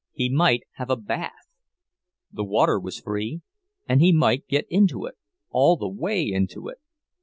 He might have a bath! The water was free, and he might get into it—all the way into it!